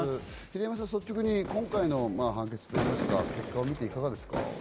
平山さん、率直に今回の判決、結果を見ていかがですか？